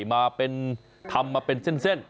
มาเป็นทำมาเป็นเส้น